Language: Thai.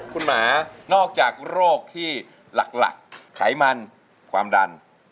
คุณหมานอกจากโรคที่หลักไขมันความดัน